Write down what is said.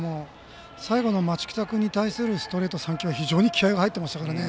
最後の町北君に対するストレート３球は非常に気合いが入ってましたから。